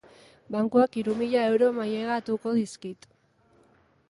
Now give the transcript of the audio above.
Bankuak hiru mila euro mailegatuko dizkit.